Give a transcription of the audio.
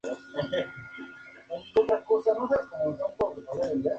Examen del Antídoto, ed.